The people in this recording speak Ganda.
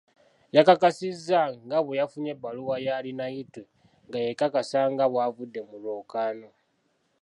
Yakakasizza nga bwe yafunye ebbaluwa ya Arineitwe nga ekakasa nga bw'avudde mu lwokaano.